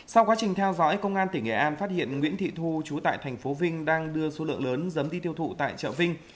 sau quá trình theo dõi công an tỉnh nghệ an phát hiện nguyễn thị thu chú tại tp vinh đang đưa số lượng lớn đi tiêu thụ tại chợ vinh